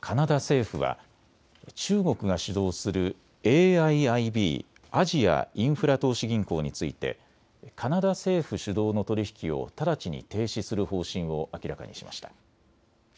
カナダ政府は中国が主導するＡＩＩＢ・アジアインフラ投資銀行についてカナダ政府主導の取引を直ちに停止する方針を明らかにしました。